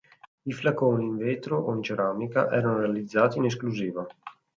I flaconi, in vetro o in ceramica, erano realizzati in esclusiva.